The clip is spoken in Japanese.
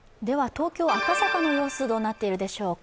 東京・赤坂の様子どうなっているでしょうか。